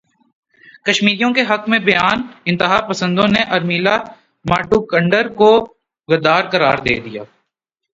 کشمیریوں کے حق میں بیان انتہا پسندوں نے ارمیلا ماٹونڈکر کو غدار قرار دے دیا